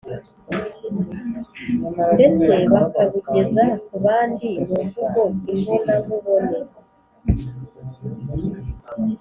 ndetse bakabugeza ku bandi mu mvugo imbonankubone